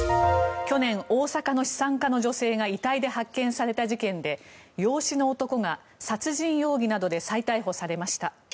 去年、大阪の資産家の女性が遺体で発見された事件で養子の男が殺人容疑などで再逮捕されました。